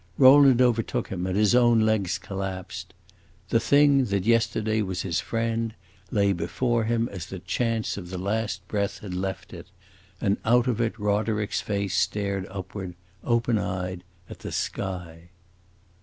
Rowland overtook him and his own legs collapsed. The thing that yesterday was his friend lay before him as the chance of the last breath had left it, and out of it Roderick's face stared upward, open eyed, at the sky.